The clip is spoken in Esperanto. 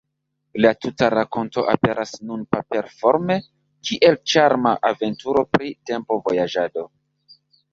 La tuta rakonto aperas nun paper-forme kiel ĉarma aventuro pri tempo-vojaĝado.